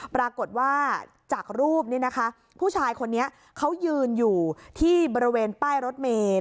ปรากฏว่าจากรูปนี้นะคะผู้ชายคนนี้เขายืนอยู่ที่บริเวณป้ายรถเมย์